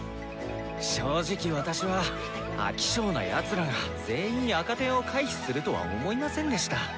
正直私は飽き性なやつらが全員赤点を回避するとは思いませんでした。